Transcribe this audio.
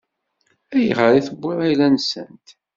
Ayɣer i tewwiḍ ayla-nsent?